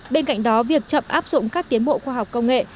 bên cạnh đó việc chậm áp dụng các tiến bộ khoa học công nghệ